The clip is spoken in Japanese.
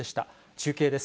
中継です。